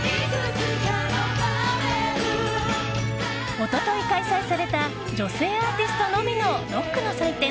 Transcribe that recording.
一昨日開催された女性アーティストのみのロックの祭典